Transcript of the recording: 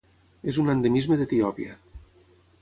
És un endemisme d'Etiòpia.